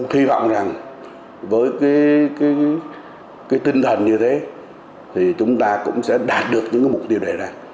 hy vọng rằng với cái tinh thần như thế thì chúng ta cũng sẽ đạt được những mục tiêu đề ra